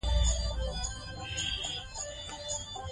د هر کلي ګوټ ته هدېرې دي.